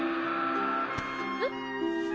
えっ？